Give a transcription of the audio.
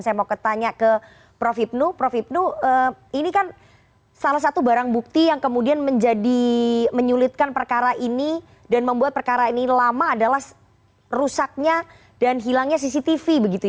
saya mau ketanya ke prof hipnu prof hipnu ini kan salah satu barang bukti yang kemudian menjadi menyulitkan perkara ini dan membuat perkara ini lama adalah rusaknya dan hilangnya cctv begitu ya